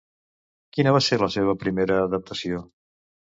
Quina va ser la seva primera adaptació?